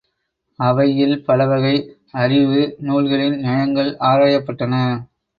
அவையில் பலவகை அறிவு நூல்களின் நயங்கள் ஆராயப்பட்டன.